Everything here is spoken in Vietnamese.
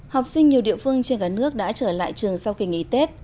học sinh nhiều địa phương trên cả nước đã trở lại trường sau kỳ nghỉ tết